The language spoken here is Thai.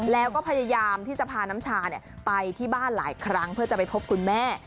แล้วก็พยายามที่จะพาน้ำชาไปที่บ้านหลายครั้งเพื่อจะไปพบคุณแม่